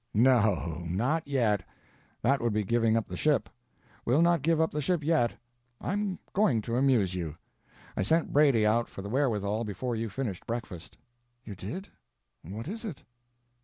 "No—not yet. That would be giving up the ship. We'll not give up the ship yet. I'm going to amuse you; I sent Brady out for the wherewithal before you finished breakfast." "You did? What is it?"